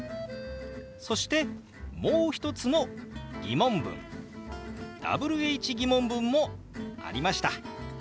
そしてもう一つの疑問文Ｗｈー疑問文もありました。